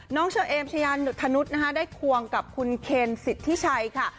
น้องเชอเอมชะยานถนุษย์ได้ควงกับคุณเคนสิทธิ์ที่ใช้ค่ะ